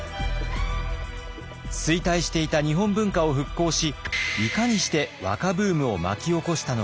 衰退していた日本文化を復興しいかにして和歌ブームを巻き起こしたのか。